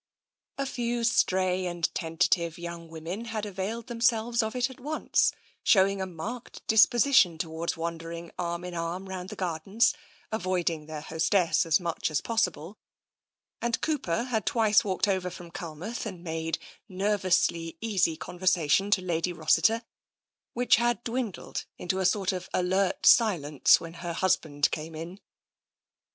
A few stray and tentative young women had availed themselves of it once, showing a marked disposition towards wandering arm in arm round the gardens, avoiding their hostess as much as possible, and Cooper had twice walked over from Culmouth and made nervously easy conversation to Lady Rossiter, which had dwindled into a sort of alert silence when her hus band came in.